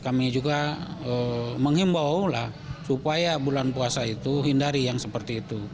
kami juga menghimbau supaya bulan puasa itu hindari yang seperti itu